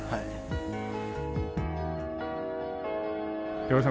岩出さん